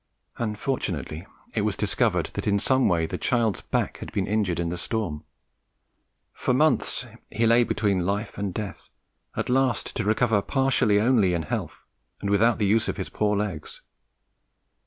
Unfortunately it was discovered that in some way the child's back had been injured in the storm. For months he lay between life and death, at last to recover partially only in health, and without the use of his poor legs.